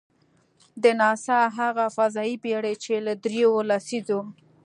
د ناسا هغه فضايي بېړۍ، چې له درېیو لسیزو .